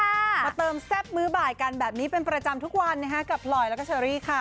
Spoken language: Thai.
มาเติมแซ่บมื้อบ่ายกันแบบนี้เป็นประจำทุกวันนะคะกับพลอยแล้วก็เชอรี่ค่ะ